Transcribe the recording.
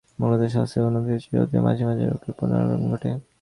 মূলত আমার স্বাস্থ্যের উন্নতি হচ্ছে, যদিও মাঝে মাঝে রোগের পুনরাক্রমণ ঘটে।